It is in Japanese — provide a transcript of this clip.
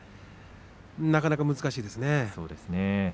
なかなか難しいですね。